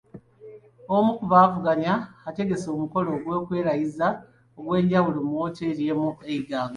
Omu ku baavuganya ategese omukolo gw'okwerayiza ogw'enjawulo mu wooteeri emu e Iganga.